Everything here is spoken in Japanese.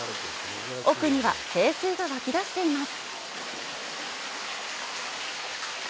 奥には、聖水が湧き出しています。